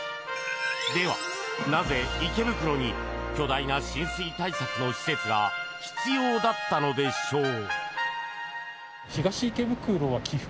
では、なぜ池袋に巨大な浸水対策の施設が必要だったのでしょう。